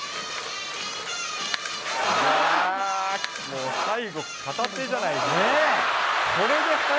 もう最後、片手じゃないですか。